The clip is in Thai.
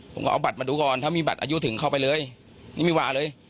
ผมก็เอาบัตรมาดูก่อนถ้ามีบัตรอายุถึงเข้าไปเลยนี่ไม่ว่าเลย